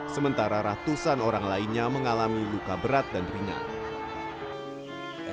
sementara ratusan orang lainnya mengalami luka berat dan ringan